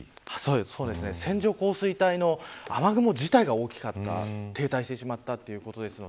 線状降水帯の雨雲自体が大きかった、停滞してしまったということです。